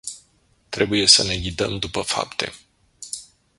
Trebuie să ne ghidăm după fapte.